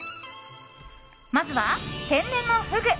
まずは天然のフグ。